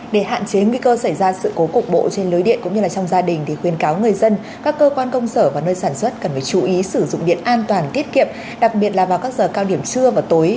để hạn chế nguy cơ xảy ra sự cố cục bộ trên lưới điện cũng như trong gia đình thì khuyên cáo người dân các cơ quan công sở và nơi sản xuất cần phải chú ý sử dụng điện an toàn tiết kiệm đặc biệt là vào các giờ cao điểm trưa và tối